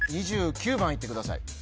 ２９番いってください